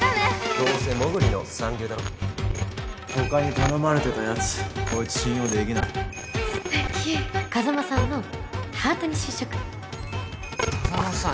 どうせモグリの三流だろ他に頼まれてたやつこいつ信用できないステキ風真さんのハートに就職風真さん